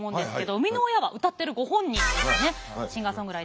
生みの親は歌ってるご本人ですね。